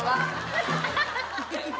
ハハハハ！